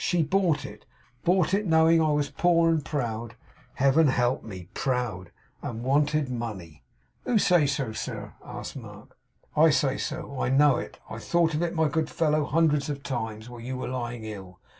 She bought it; bought it; knowing I was poor and proud (Heaven help me! Proud!) and wanted money.' 'Who says so, sir?' asked Mark. 'I say so. I know it. I thought of it, my good fellow, hundreds of times, while you were lying ill.